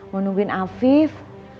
mau nungguin afif